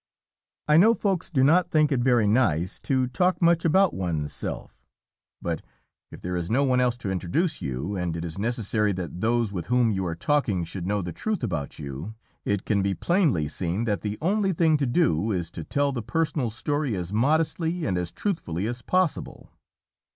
I know "Folks" do not think it very nice to talk much about one's self, but if there is no one else to introduce you, and it is necessary that those with whom you are talking should know the truth about you, it can be plainly seen that the only thing to do is to tell the personal story as modestly and as truthfully as possible.